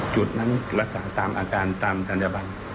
จุดนั้นรักษาตามอาการตามศัลยบัน